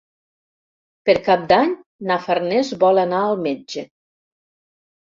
Per Cap d'Any na Farners vol anar al metge.